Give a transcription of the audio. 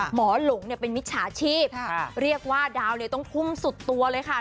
หลงเนี่ยเป็นมิจฉาชีพเรียกว่าดาวเลยต้องทุ่มสุดตัวเลยค่ะ